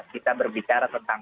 kita berbicara tentang